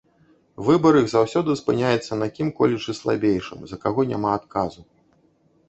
Выбар іх заўсёды спыняецца на кім-колечы слабейшым, за каго няма адказу.